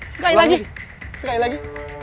sekali lagi sekali lagi